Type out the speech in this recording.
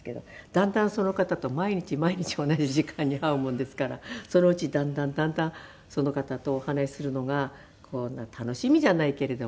だんだんその方と毎日毎日同じ時間に会うもんですからそのうちだんだんだんだんその方とお話しするのが楽しみじゃないけれども。